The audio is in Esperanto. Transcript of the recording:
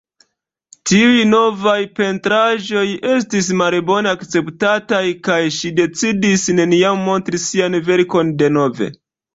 Tiuj novaj pentraĵoj estis malbone akceptataj, kaj ŝi decidis neniam montri sian verkon denove.